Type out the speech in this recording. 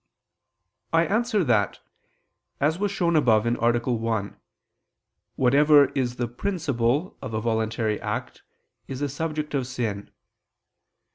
I answer that, As was shown above (A. 1), whatever is the a principle of a voluntary act is a subject of sin.